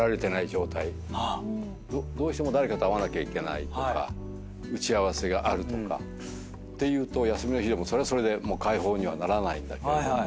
どうしても誰かと会わなきゃいけないとか打ち合わせがあるとかっていうと休みの日でもそれはそれで解放にはならないんだけれども。